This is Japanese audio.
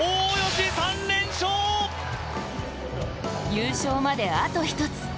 優勝まで、あと１つ。